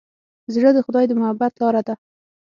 زړه د خدای د محبت لاره ده.